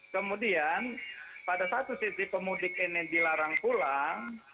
kemudian pada satu sisi pemudik ini dilarang pulang